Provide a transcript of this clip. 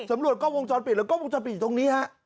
สำรวจกล้องวงช้อนปิดแล้วกล้องวงช้อนปิดตรงนี้